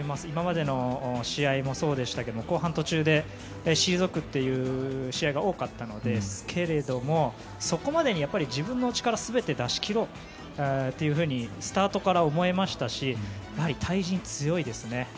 今までの試合もそうでしたけど後半途中で退くという試合が多かったのですけれどもそこまでに自分の力全て出し切ろうというふうにスタートから思えましたしやはり、対人に強いですね。